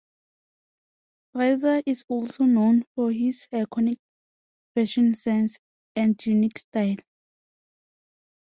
Frazier is also known for his iconic fashion sense and unique style.